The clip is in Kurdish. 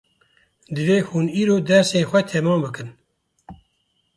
Divê hûn îro dersên xwe temam bikin.